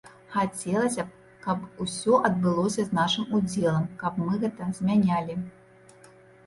Хацелася б, каб усё адбылося з нашым удзелам, каб мы гэта змянялі.